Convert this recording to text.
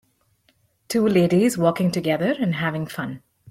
Two ladies walking together and having fun.